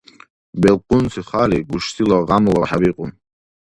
Белкъунси хяли гушсила гъямла хӀебикьу.